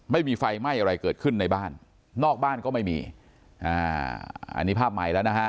ไม่มีไฟไหม้อะไรเกิดขึ้นในบ้านนอกบ้านก็ไม่มีอ่าอันนี้ภาพใหม่แล้วนะฮะ